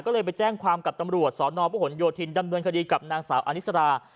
ก็เลยไปแจ้งความกับตำรวจสนประหลโยธินดำเนินคดีกับนางสาวอนิสรา